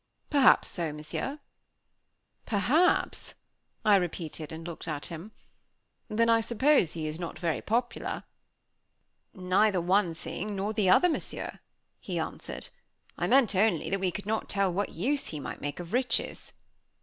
"Perhaps so, Monsieur." "Perhaps?" I repeated, and looked at him. "Then I suppose he is not very popular." "Neither one thing nor the other, Monsieur," he answered; "I meant only that we could not tell what use he might make of riches."